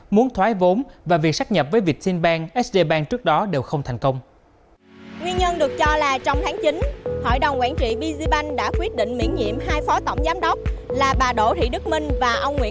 muốn thoái vốn và việc sắc nhập với vietcinbank sd bank trước đó đều không thành công